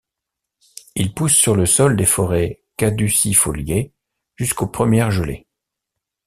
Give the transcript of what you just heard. Il pousse sur le sol dans les forêts caducifoliées jusqu'aux premières gelées.